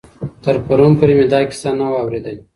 تر پرون پورې مې دا کیسه نه وه اورېدلې.